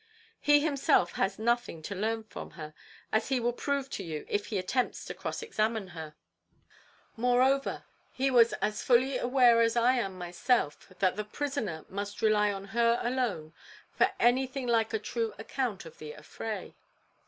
He himself has nothing to learn from her, as he will prove to you if he attempts to cross examine her. Moreover, he was as fully aware as I am myself, that the prisoner must rely on her alone for anything like a true account of the affray.